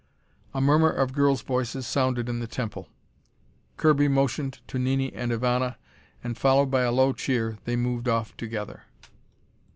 A murmur of girls' voices sounded in the temple. Kirby motioned to Nini and Ivana, and followed by a low cheer, they moved off together.